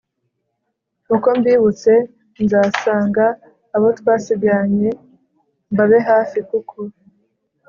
uko mbibutse nzasanga abo twasigaranye mbabe hafi kuko